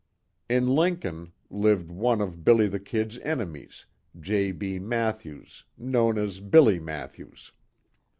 In Lincoln, lived one of "Billy the Kid's" enemies, J. B. Mathews, known as Billy Mathews.